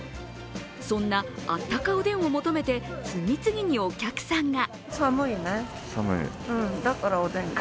そんなあったかおでんを求めて次々にお客さんが。